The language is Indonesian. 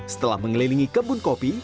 setelah mengelilingi kebun kopi